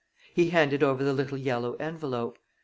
He handed over the little yellow envelope.